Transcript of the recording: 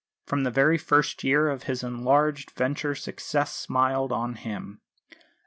From the very first year of his enlarged venture success smiled on him.